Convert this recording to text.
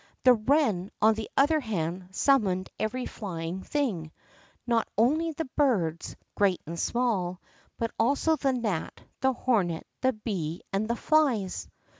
The wren, on the other hand, summoned every flying thing; not only the birds, great and small, but also the gnat, the hornet, the bee, and the flies.